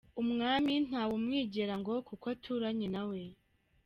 Umwami ntawe umwigera ngo kuko aturanye nawe.